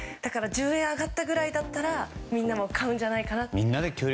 １０円上がったぐらいだったらみんなも買うんじゃないかと。